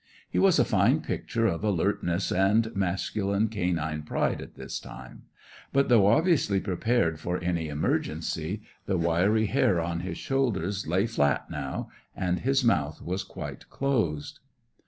He was a fine picture of alertness and masculine canine pride at this time; but, though obviously prepared for any emergency, the wiry hair on his shoulders lay flat now, and his mouth was quite closed.